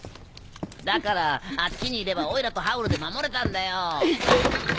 だからあっちにいればオイラとハウルで守れたんだよ。